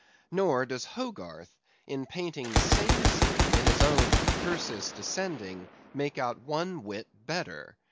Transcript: Nor does Hogarth, in painting the same scene in his own "Perseus Descending," make out one whit better.